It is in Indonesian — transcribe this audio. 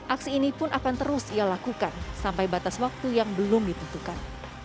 aksi ini pun akan terus ia lakukan sampai batas waktu yang belum ditentukan